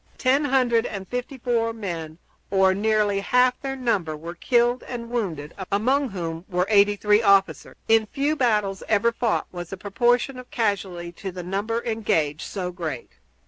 Ten hundred and fifty four men, or nearly half their number, were killed and wounded, among whom were 83 officers. In few battles ever fought was the proportion of casualties to the number engaged so great.